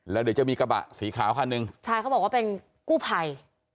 แล้วเดี๋ยวจะมีกระบะสีขาวคันหนึ่งใช่เขาบอกว่าเป็นกู้ภัย